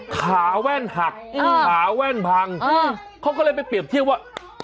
ขาแว่นหักขาแว่นพังเขาก็เลยไปเปรียบเทียบว่า